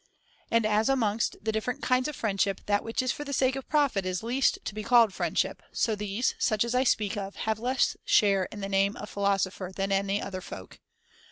And as C^io] amongst the different kinds of friendship that which is for the sake of profit is least to be called friendship, so these, such as I speak of, have less share in the name of philo sopher than any other folk.